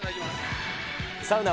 サウナー！